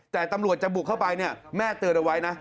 แต่ตำรวจจะบุกเข้าไปเนี่ยแม่เตือนเอาไว้นะ